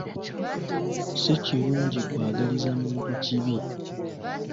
Si kirungi kw'agaliza muntu kibi.